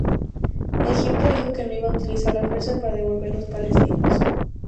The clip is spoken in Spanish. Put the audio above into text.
Egipto dijo que no iba a utilizar la fuerza para devolver los palestinos.